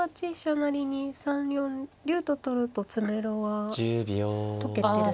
成に３四竜と取ると詰めろは解けてるんですか。